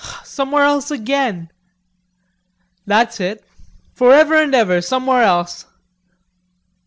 "Somewhere else again!" "That's it.... For ever and ever, somewhere else!